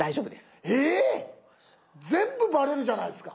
えっ⁉全部バレるじゃないですか。